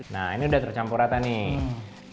nah ini udah tercampur rata nih